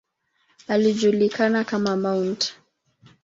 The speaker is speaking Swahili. Alijulikana kama ""Mt.